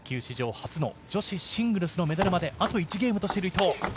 初の女子シングルスのメダルまであと１ゲームとしている伊藤。